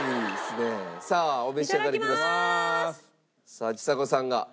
さあちさ子さんが。